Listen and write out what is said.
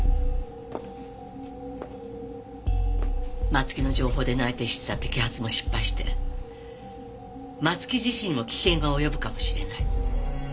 松木の情報で内偵してた摘発も失敗して松木自身にも危険が及ぶかもしれない。